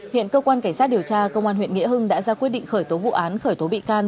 hiện cơ quan cảnh sát điều tra công an huyện nghĩa hưng đã ra quyết định khởi tố vụ án khởi tố bị can